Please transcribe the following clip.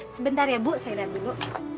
sebentar ya bu saya lihat dulu